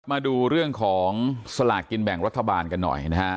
มาดูเรื่องของสลากกินแบ่งรัฐบาลกันหน่อยนะฮะ